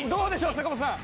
坂本さん。